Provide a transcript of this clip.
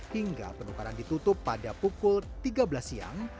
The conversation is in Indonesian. hingga penukaran ditutup pada pukul tiga belas siang